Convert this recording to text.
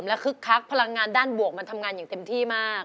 ไม่ใช้ครับ